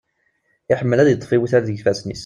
Iḥemmel ad iṭṭef iwtal deg ifassen-is.